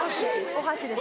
お箸です。